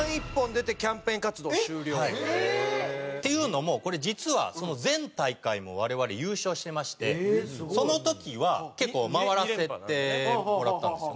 ええー！というのもこれ実はその前大会も我々優勝してましてその時は結構回らせてもらったんですよ。